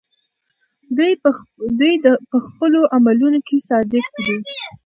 دی په خپلو عملونو کې صادق دی.